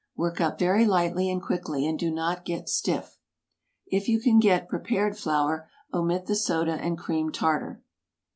Work up very lightly and quickly, and do not get too stiff. If you can get prepared flour, omit the soda and cream tartar.